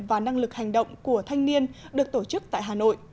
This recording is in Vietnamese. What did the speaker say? và năng lực hành động của thanh niên được tổ chức tại hà nội